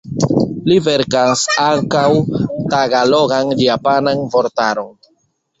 Li verkas ankaŭ tagalogan-japanan vortaron.